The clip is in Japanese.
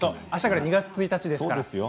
あしたから２月１日です。